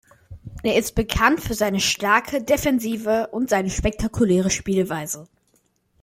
Er ist bekannt für seine starke Defensive und seine spektakuläre Spielweise.